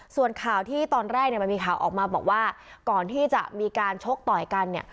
ส่วนข่าวที่ตอนแรกเนี่ยมันมีข่าวออกมาบอกว่าก่อนที่จะมีการชกต่อยกันเนี่ย